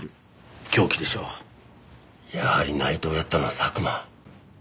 やはり内藤をやったのは佐久間。